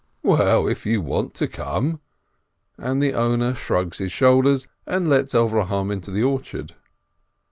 "Well, if you want io come !" and the owner shrugs his shoulders, and lets Avrohom into the orchard.